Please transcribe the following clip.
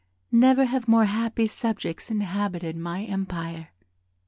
Never have more happy subjects inhabited my empire!"